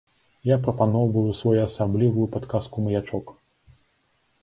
Я прапаноўваю своеасаблівую падказку-маячок.